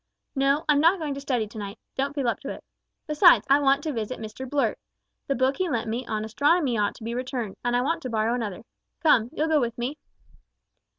"No, I'm not going to study to night, don't feel up to it. Besides, I want to visit Mr Blurt. The book he lent me on Astronomy ought to be returned, and I want to borrow another. Come, you'll go with me."